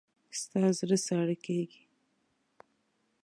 ستا زړه ساړه کېږي.